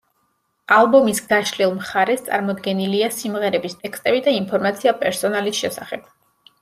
ალბომის გაშლილ მხარეს წარმოდგენილია სიმღერების ტექსტები და ინფორმაცია პერსონალის შესახებ.